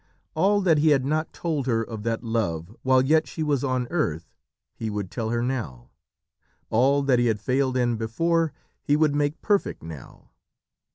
All that he had not told her of that love while yet she was on earth he would tell her now. All that he had failed in before, he would make perfect now.